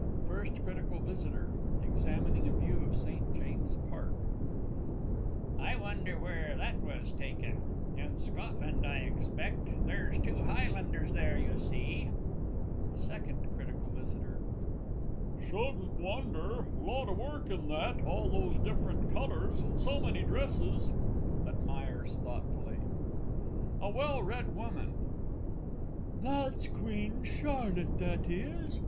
FIRST CRITICAL VISITOR (examining a View of St. James's Park). I wonder where that was taken. In Scotland, I expect there's two Highlanders there, you see. SECOND C. V. Shouldn't wonder lot o' work in that, all those different colours, and so many dresses. [Admires, thoughtfully. A WELL READ WOMAN. That's Queen Charlotte, that is.